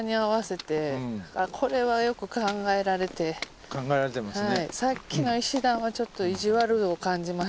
考えられてますね。